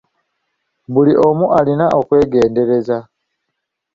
Buli omu alina okwegendereza.